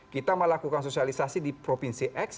kita melakukan sosialisasi di provinsi x